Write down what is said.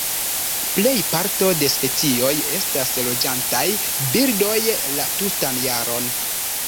Plej parto de specioj estas loĝantaj birdoj la tutan jaron.